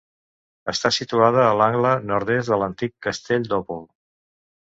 Està situada a l'angle nord-est de l'antic Castell d'Òpol.